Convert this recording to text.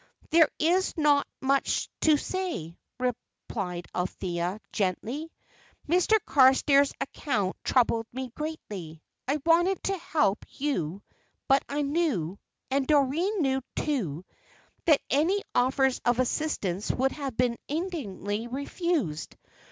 "There is not much to say," replied Althea, gently. "Mr. Carstairs' account troubled me greatly. I wanted to help you, but I knew, and Doreen knew, too, that any offers of assistance would have been indignantly refused.